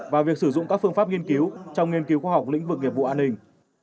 và việc sử dụng các phương pháp nghiên cứu trong nghiên cứu khoa học lĩnh vực nghiệp vụ an ninh